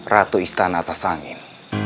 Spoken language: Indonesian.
ratu istana tasangin